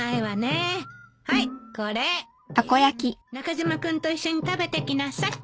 中島君と一緒に食べてきなさい。